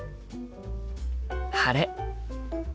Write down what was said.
晴れ。